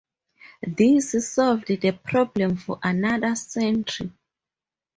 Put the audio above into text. This solved the problem for another century.